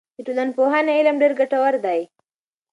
د ټولنپوهنې علم ډېر ګټور دی.